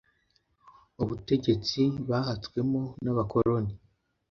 ubutegetsi bahatswemo n abakoloni